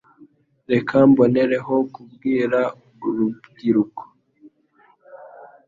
Reka mbonereho kubwira urubyiruko